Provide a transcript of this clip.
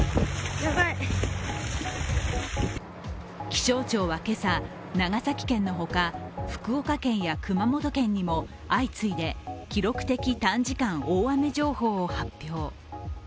気象庁は今朝、長崎県の他、福岡県や熊本県にも相次いで記録的短時間大雨情報を発表。